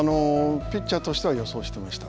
ピッチャーとしては予想してました。